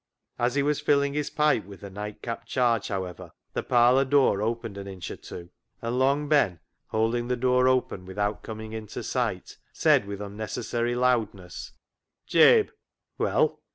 As he was filling his pipe with the nightcap charge, however, the parlour door opened an inch or two, and Long Ben, holding 46 CLOG SHOP CHRONICLES the door open without coming into sight, said with unnecessary loudness — "Jabe!" « Well